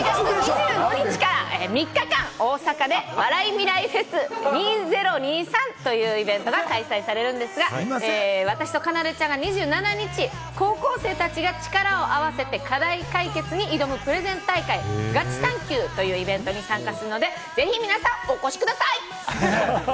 ８月２５日から３日間、大阪でＷａｒａｉＭｉｒａｉＦｅｓ２０２３というイベントが開催されるんですが、私と、かなでちゃんが、２７日、高校生たちが力を合わせて課題解決に挑むプレゼン大会、ガチ探究というイベントに参加するので、ぜひ皆さん、お越しください！